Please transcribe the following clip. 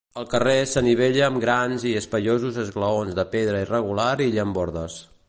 El carrer s'anivella amb grans i espaiosos esglaons de pedra irregular i llambordes.